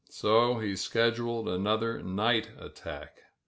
So he scheduled another night attack.